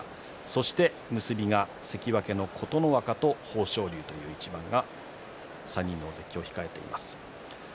そして結びが関脇の琴ノ若と豊昇龍という一番が３人の大関に控えています。